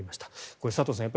これは佐藤さん